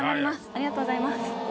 ありがとうございます。